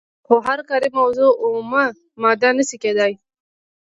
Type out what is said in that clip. خو هره کاري موضوع اومه ماده نشي کیدای.